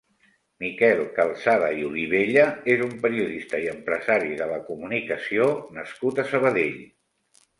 Miquel Calçada i Olivella és un periodista i empresari de la comunicació nascut a Sabadell.